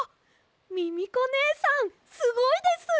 ミミコねえさんすごいです！